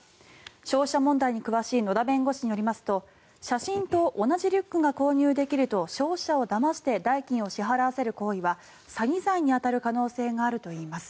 消費者問題に詳しい野田弁護士によりますと写真と同じリュックが購入できると消費者をだまして代金を支払わせる行為は詐欺罪に当たる可能性があるといいます。